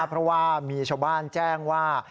เพราะว่ามีชาวบ้านแจ้งว่า